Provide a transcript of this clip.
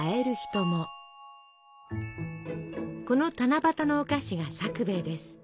この七夕のお菓子がさくべいです。